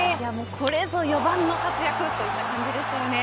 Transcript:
これぞ４番の活躍といった感じですよね。